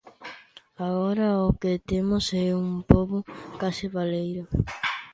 Agora o que temos é un pobo case baleiro.